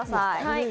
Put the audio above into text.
はい。